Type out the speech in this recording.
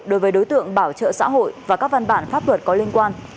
đối với đối tượng bảo trợ xã hội và các văn bản pháp luật có liên quan